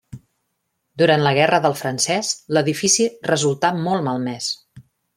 Durant la Guerra del Francès l'edifici resultà molt malmès.